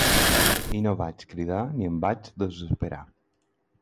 I no vaig cridar ni em vaig desesperar.